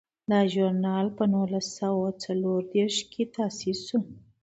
دا ژورنال په نولس سوه څلور دیرش کې تاسیس شو.